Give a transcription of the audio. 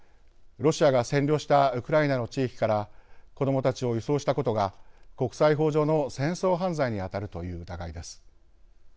ロシアが占領したウクライナの地域から子どもたちを移送したことが国際法上の戦争犯罪に当たるという疑いです。